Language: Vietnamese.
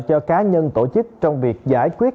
cho cá nhân tổ chức trong việc giải quyết